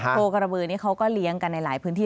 โคกระบือนี่เขาก็เลี้ยงกันในหลายพื้นที่